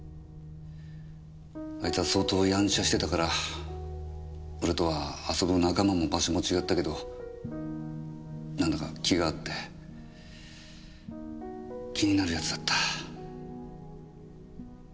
あいつは相当やんちゃしてたから俺とは遊ぶ仲間も場所も違ったけどなんだか気が合って気になる奴だった。